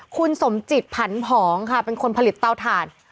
คุณสมจิตผันผองค่ะเป็นคนผลิตเตาถ่าน